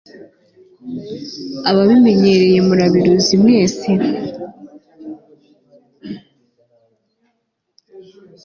ababimenyereye murabiruzimwese